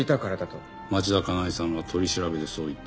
町田加奈江さんが取り調べでそう言った？